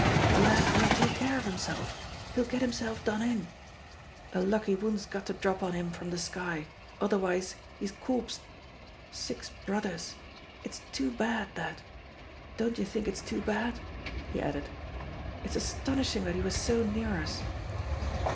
The lad won't take care of himself he'll get himself done in. A lucky wound's got to drop on him from the sky, otherwise he's corpsed. Six brothers it's too bad, that! Don't you think it's too bad?" He added, "It's astonishing that he was so near us."